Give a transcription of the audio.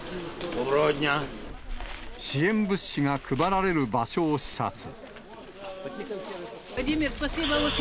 支援物資が配られる場所を視察。